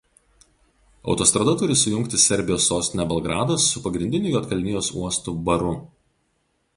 Autostrada turi sujungti Serbijos sostinę Belgradą su pagrindiniu Juodkalnijos uostu Baru.